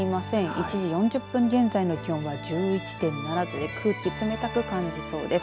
１時４０分現在の気温は１１．７度で空気、冷たく感じそうです。